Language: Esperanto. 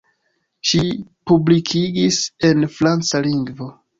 Ŝi publikigis en franca lingvo.